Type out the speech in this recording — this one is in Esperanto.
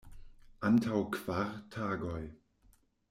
Antaŭ kvar tagoj.